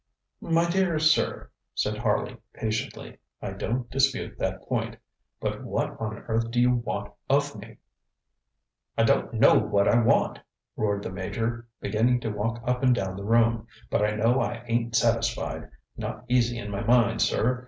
ŌĆØ ŌĆ£My dear sir, ŌĆØ said Harley patiently, ŌĆ£I don't dispute that point; but what on earth do you want of me? ŌĆØ ŌĆ£I don't know what I want! ŌĆØ roared the Major, beginning to walk up and down the room, ŌĆ£but I know I ain't satisfied, not easy in my mind, sir.